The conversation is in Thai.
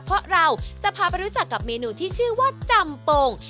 เพราะเราจะพาไปรู้จักกับเมนูที่ชื่อว่าจำปง